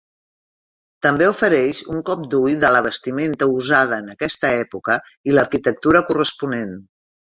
També ofereix un cop d'ull de la vestimenta usada en aquesta època i l'arquitectura corresponent.